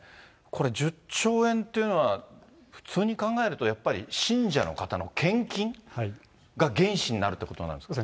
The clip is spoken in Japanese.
これ、１０兆円っていうのは、普通に考えると信者の方の献金が原資になるということなんですか。